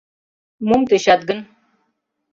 Мом тӧчат гын?